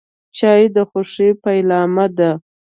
چای د خوښۍ پیلامه ده.